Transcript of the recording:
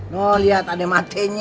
loh lihat ada matenya